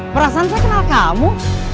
perasaan saya kenal kamu